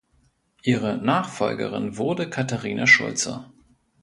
Ihre Nachfolgerin wurde Katharina Schulze.